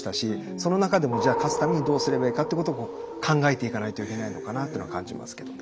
その中でも勝つためにどうすればいいかってことを考えていかないといけないのかなっていうのは感じますけどね。